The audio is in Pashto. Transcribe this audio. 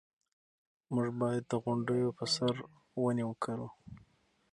موږ باید د غونډیو په سر ونې وکرو.